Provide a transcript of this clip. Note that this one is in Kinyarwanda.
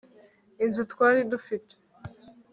inzu twari dufite